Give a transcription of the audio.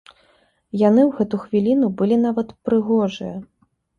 Яны ў гэту хвіліну былі нават прыгожыя.